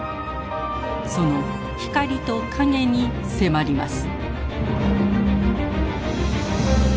その光と影に迫ります。